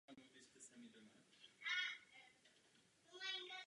Kariéra profesionálního sportovce je u různých sportů různě dlouhá.